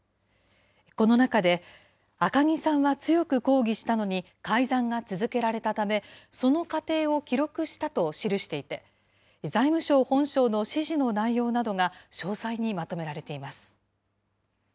この中で、赤木さんは強く抗議したのに改ざんが続けられたため、その過程を記録したと記していて、財務省本省の指示の内容などが詳細にまとめられています。